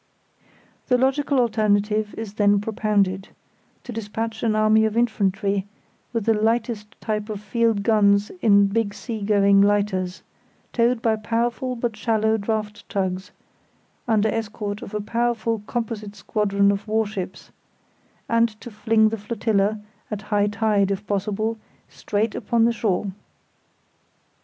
The only logical alternative is then propounded: to despatch an army of infantry with the lightest type of field guns in big sea going lighters, towed by powerful but shallow draught tugs, under escort of a powerful composite squadron of warships; and to fling the flotilla, at high tide, if possible, straight upon the shore.